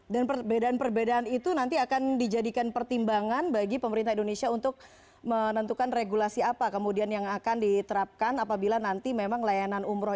dan perbedaan perbedaan itu nanti akan dijadikan pertimbangan bagi pemerintah indonesia untuk menentukan regulasi apa kemudian yang akan diterapkan apabila nanti memang layanan umroh